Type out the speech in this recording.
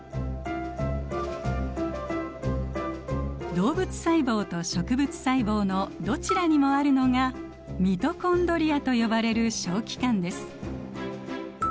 動物細胞と植物細胞のどちらにもあるのがミトコンドリアと呼ばれる小器官です。